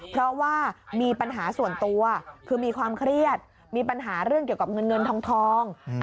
เพราะว่ามีปัญหาส่วนตัวคือมีความเครียดมีปัญหาเรื่องเกี่ยวกับเงินเงินทอง